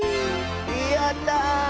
やった！